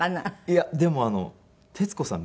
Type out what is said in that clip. いやでも徹子さん